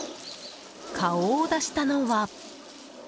顔を出したのは。